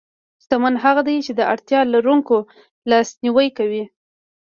شتمن هغه دی چې د اړتیا لرونکو لاسنیوی کوي.